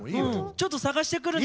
ちょっと捜してくるね。